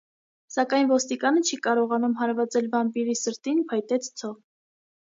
Սակայն ոստիկանը չի կարողանում հարվածել վամպիրի սրտին փայտե ցցով։